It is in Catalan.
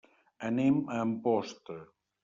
Anem a Amposta.